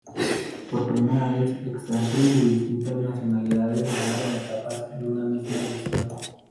Por primera vez, extranjeros de distintas nacionalidades ganaron etapas en una misma edición.